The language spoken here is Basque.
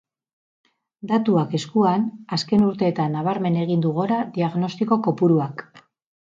Datuak eskuan, azken urteetan nabarmen egin du gora diagnostiko kopuruak.